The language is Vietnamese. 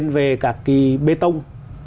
về các cái bê tông